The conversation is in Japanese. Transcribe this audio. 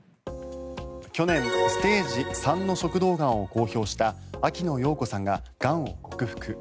去年、ステージ３の食道がんを公表した秋野暢子さんが、がんを克服。